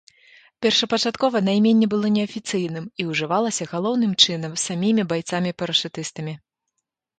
Першапачаткова найменне было неафіцыйным, і ўжывалася галоўным чынам самімі байцамі-парашутыстамі.